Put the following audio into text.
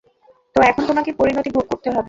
তো এখন তোমাকে পরিণতি ভোগ করতে হবে।